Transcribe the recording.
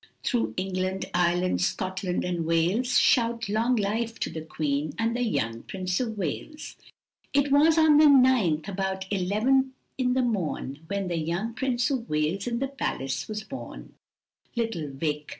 Through England, Ireland, Scotland, and Wales, Shout long life to the Queen and the young Prince of Wales. It was on the ninth, about eleven in the morn, When the young Prince of Wales in the palace was born, Little Vic.